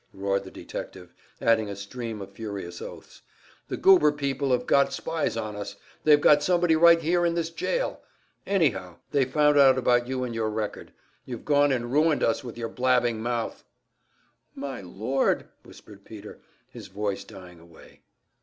roared the detective, adding a stream of furious oaths. "The Goober people have got spies on us; they've got somebody right here in this jail. Anyhow, they've found out about you and your record. You've gone and ruined us with your blabbing mouth!" "My Lord!" whispered Peter, his voice dying away.